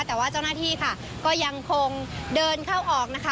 แต่ว่าเจ้าหน้าที่ค่ะก็ยังคงเดินเข้าออกนะคะ